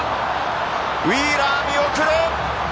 ウィーラー見送る。